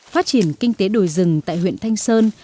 phát triển kinh tế đồi rừng tại huyện thanh sơn